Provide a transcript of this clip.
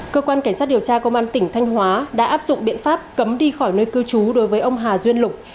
cơ quan cảnh sát điều tra công an tỉnh thanh hóa đã áp dụng biện pháp cấm đi khỏi nơi cư trú đối với ông hà duyên lục